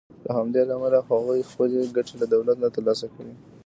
له همدې امله هغوی خپلې ګټې له دولت نه تر لاسه کوي.